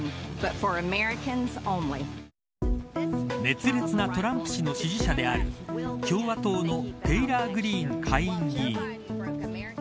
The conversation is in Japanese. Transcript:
熱烈なトランプ氏の支持者である共和党のテイラー・グリーン下院議員。